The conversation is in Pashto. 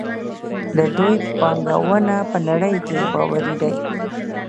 د دوی بانکونه په نړۍ کې باوري دي.